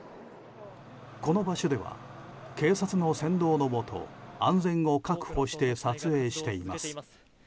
この場所では警察の先導のもと安全を確保して撮影しています。